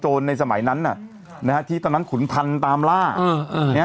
ชนจงในสมัยนั้นน่ะนะฮะที่ตอนนั้นขุนธันต์ตามล่าเออเนี้ย